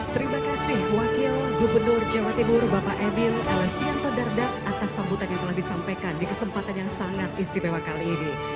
terima kasih wakil gubernur jawa timur bapak emil elevianto dardak atas sambutan yang telah disampaikan di kesempatan yang sangat istimewa kali ini